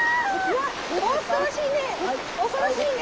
わっ恐ろしいね！